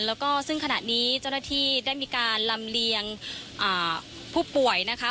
แล้วก็ซึ่งขณะนี้เจ้าหน้าที่ได้มีการลำเลียงผู้ป่วยนะคะ